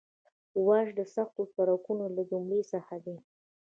واش د سختو سړکونو له جملې څخه دی